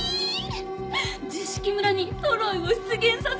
十色村にトロイを出現させよう！